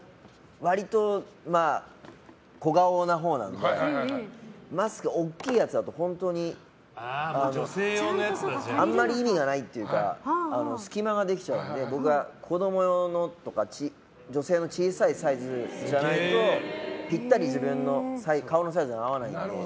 割と、小顔なほうなのでマスクが大きいやつだと本当にあまり意味がないというか隙間ができちゃうんで僕は子供用とか女性の小さいサイズじゃないとぴったり自分の顔のサイズに合わないんですよ。